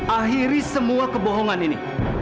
ahirin semua kebohongan ini